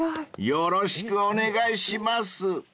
［よろしくお願いします］